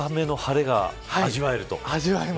３日目の晴れが味わえると。